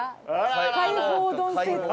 海宝丼セット。